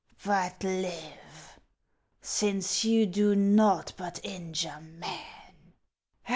But live, since you do naught but injure men.